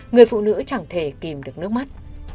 người phụ nữ chẳng thể tìm được nước mắt